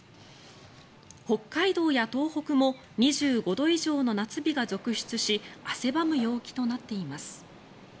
北海道や東北も２５度以上の夏日が続出し汗ばむ陽気となっています。